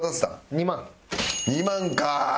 ２万かあ。